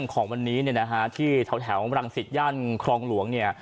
เราของวันนี้เนี้ยนะฮะที่แถวแถวมลังสิทธิ์ย่านครองหลวงเนี้ย